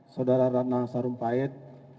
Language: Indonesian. saudara ratna sarumpait